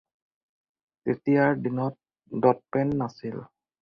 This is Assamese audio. তেতিয়াৰ দিনত ডটপেন নাছিল।